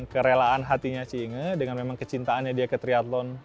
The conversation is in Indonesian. kerelaan hatinya si inge dengan memang kecintaannya dia ke triathlon